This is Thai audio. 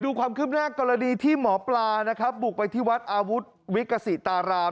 ดูความขึ้นหน้ากรดีที่หมอปลาบุกไปที่วัดอาวุธวิกษิตาราม